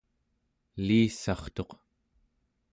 elissartuq